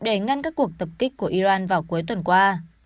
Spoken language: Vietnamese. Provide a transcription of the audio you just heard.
để ngăn các cuộc tập kích của iran vào cuối tuần qua